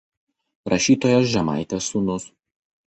Rašytojos Žemaitės sūnus.